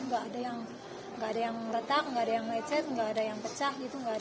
gak ada yang retak gak ada yang lecet gak ada yang pecah